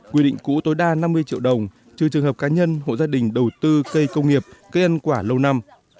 quy định cũ tối đa năm mươi triệu đồng trừ trường hợp cá nhân hộ gia đình đầu tư cây công nghiệp cây ăn quả lâu năm